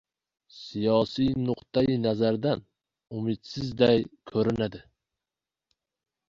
siyosiy nuqtai nazardan umidsizday ko‘rinadi.